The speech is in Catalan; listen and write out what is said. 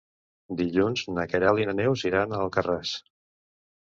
Dilluns na Queralt i na Neus iran a Alcarràs.